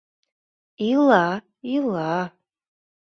— Ила-ила...